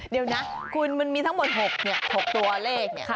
เดี๋ยวนะคุณมันมีทั้งหมด๖ตัวเลขเนี่ย